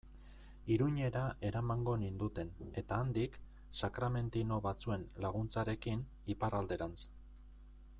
Iruñera eramango ninduten, eta handik, sakramentino batzuen laguntzarekin, Iparralderantz.